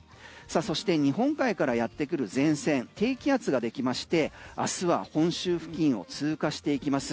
そして日本海からやってくる前線低気圧ができまして明日は本州付近を通過していきます。